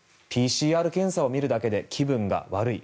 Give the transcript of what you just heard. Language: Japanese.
ＰＣＲ検査を見るだけで気分が悪い。